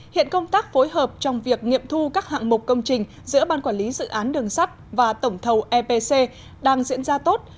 hiện công tác phối hợp trong việc nghiệm thu các hạng mục công trình giữa ban quản lý dự án đường sắt và tổng thầu epc đang diễn ra tốt